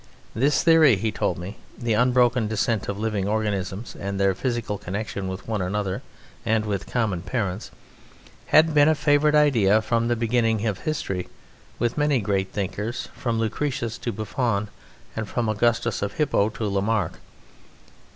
This theory, he told me the unbroken descent of living organisms and their physical connection with one another and with common parents had been a favourite idea from the beginning of history with many great thinkers, from Lucretius to Buffon and from Augustus of Hippo to Lamarck.